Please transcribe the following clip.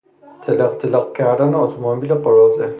تلقتلق کردن اتومبیل قراضه